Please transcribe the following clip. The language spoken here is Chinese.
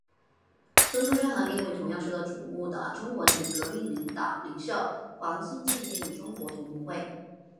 孙中山和另一个同样受到瞩目的中国革命领袖黄兴建立中国同盟会。